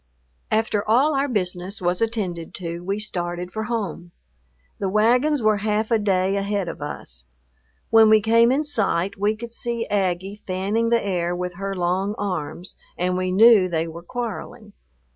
After all our business was attended to, we started for home. The wagons were half a day ahead of us. When we came in sight, we could see Aggie fanning the air with her long arms, and we knew they were quarreling.